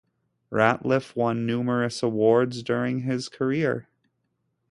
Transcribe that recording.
Ratliff won numerous awards during his career.